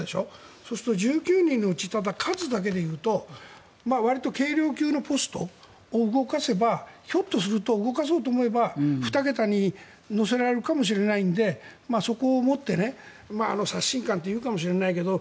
そうすると１９人のうち数だけでいうと割りと軽量級のポストを動かせばひょっとすると動かそうと思えば２桁に乗せられるかもしれないのでそこをもって刷新感というかもしれないけど